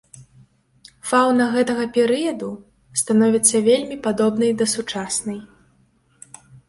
Фаўна гэтага перыяду становіцца вельмі падобнай да сучаснай.